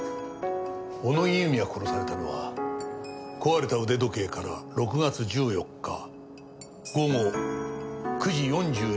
小野木由美が殺されたのは壊れた腕時計から６月１４日午後９時４２分頃。